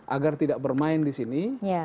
agar tidak bermain disini